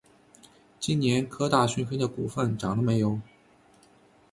今年科大讯飞的股价涨了没有？